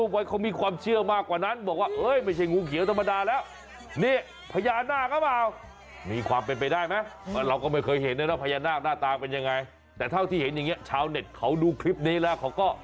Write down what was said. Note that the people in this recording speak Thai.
แต่เท่าที่เห็นอย่างนี้ชาวเน็ตเขาดูคลิปนี้แล้วเขาก็